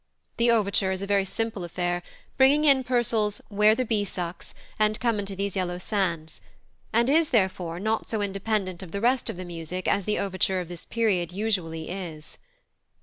The overture is a very simple affair, bringing in Purcell's "Where the bee sucks" and "Come unto these yellow sands," and is, therefore, not so independent of the rest of the music as the overture of this period usually is.